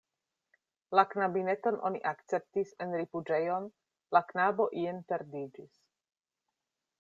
La knabineton oni akceptis en rifuĝejon, la knabo ien perdiĝis.